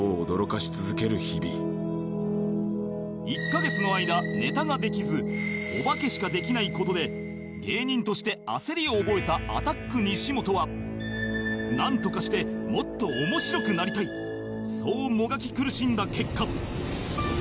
１カ月の間ネタができずおばけしかできない事で芸人として焦りを覚えたアタック西本はなんとかしてもっと面白くなりたいそうもがき苦しんだ結果